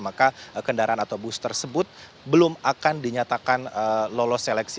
maka kendaraan atau bus tersebut belum akan dinyatakan lolos seleksi